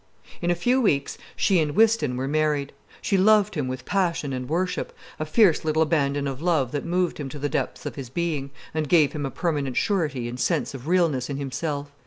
In a few weeks, she and Whiston were married. She loved him with passion and worship, a fierce little abandon of love that moved him to the depths of his being, and gave him a permanent surety and sense of realness in himself.